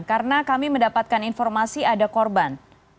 karena kami mendapatkan informasi ada korban